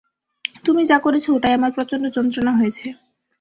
তুমি যা করেছ ওটায় আমার প্রচণ্ড যন্ত্রণা হয়েছে।